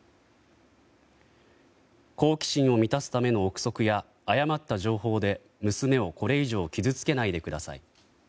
好奇心を満たすための憶測や誤った情報で娘をこれ以上傷つけないでください。